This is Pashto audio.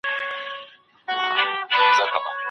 اسلام نارينه وو او ښځو ته څه تنبيه ورکوي؟